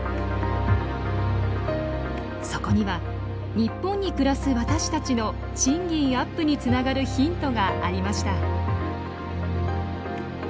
そこには日本に暮らす私たちの賃金アップにつながるヒントがありました。